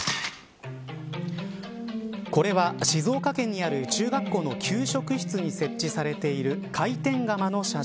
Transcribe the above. これは静岡県にある中学校の給食室に設置されている回転釜の写真。